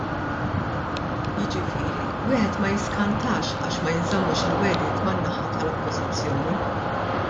Jiġifieri wieħed ma jiskantax għax ma jinżammux il-wegħdiet man-naħa tal-Oppożizzjoni!